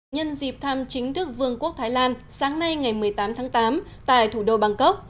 nhân dịp thăm chính thức vương quốc thái lan sáng nay ngày một mươi tám tháng tám tại thủ đô bangkok